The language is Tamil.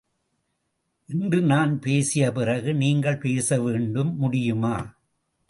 இன்று நான் பேசிய பிறகு நீங்கள் பேச வேண்டும், முடியுமா?